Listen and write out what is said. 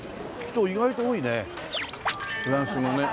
人意外と多いね。